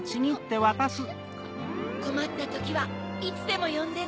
こまったときはいつでもよんでね。